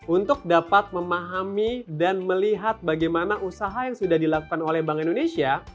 untuk dapat memahami dan melihat bagaimana usaha yang sudah dilakukan oleh bank indonesia